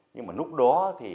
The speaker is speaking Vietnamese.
nhưng mà lúc đó